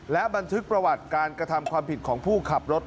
และบันทึกประวัติการกระทำความผิดของผู้ขับรถ